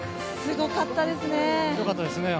良かったですね。